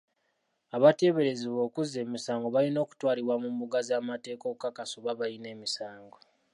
Abateeberezebwa okuzza emisango balina okutwalibwa mu mbuga z'amateeka okukakasa oba balina emisango.